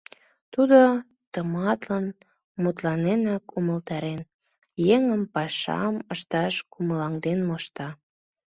Тудо, тыматлын мутланенак, умылтарен, еҥым пашам ышташ кумылаҥден мошта.